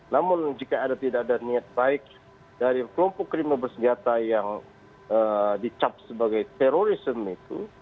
namun jika tidak ada niat baik dari kelompok kriminal bersenjata yang dicap sebagai terorisme itu